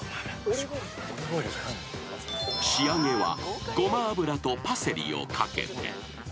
［仕上げはごま油とパセリをかけて］